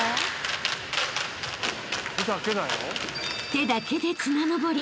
［手だけで綱登り。